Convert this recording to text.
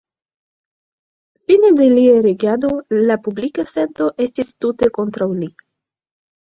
Fine de lia regado, la publika sento estis tute kontraŭ li.